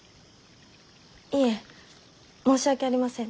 いえ申し訳ありません。